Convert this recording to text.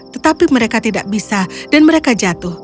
tetapi mereka tidak bisa dan mereka jatuh